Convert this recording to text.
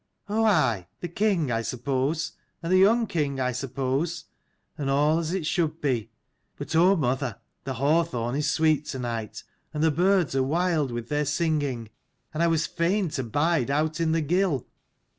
"Oh, aye, the king, I suppose, and the young king, I suppose: and all as it should be. But oh mother, the hawthorn is sweet to night, 123 and the birds are wild with their singing, and I was fain to bide out in the gill.